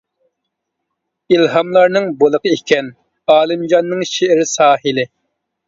ئىلھاملارنىڭ بولىقى ئىكەن، ئالىمجاننىڭ شېئىر ساھىلى.